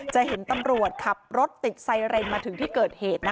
จะเห็นตำรวจขับรถติดไซเรนมาถึงที่เกิดเหตุ